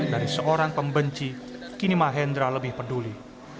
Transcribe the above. dari seorang pembenci kini mahendra lebih peduli